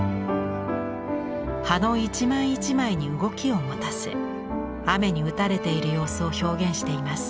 葉の一枚一枚に動きを持たせ雨に打たれている様子を表現しています。